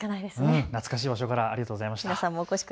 懐かしい場所からありがとうございました。